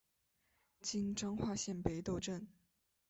今彰化县北斗镇。